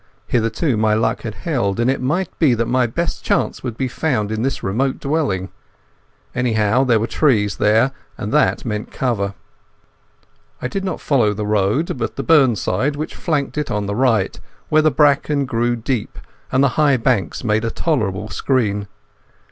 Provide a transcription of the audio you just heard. Hitherto my luck had held, and it might be that my best chance would be found in this remote dwelling. Anyhow there were trees there, and that meant cover. I did not follow the road, but the burnside which flanked it on the right, where the bracken grew deep and the high banks made a tolerable screen.